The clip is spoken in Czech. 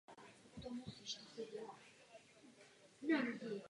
Při přechodu bylo rovněž ztraceno několik děl.